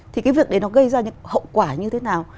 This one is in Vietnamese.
thì cái việc đấy nó gây ra những hậu quả như thế nào